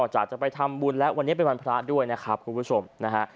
จะไปทำบุญแล้ววันนี้เป็นวันพระด้วยนะครับคุณผู้ชมนะฮะ